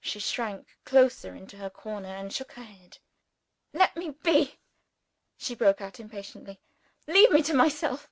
She shrank closer into her corner and shook her head. "Let me be!" she broke out impatiently. "Leave me by myself!"